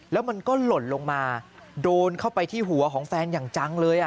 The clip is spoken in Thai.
แล้วมันก็หล่นลงมาโดนเข้าไปที่หัวของแฟนอย่างจังเลย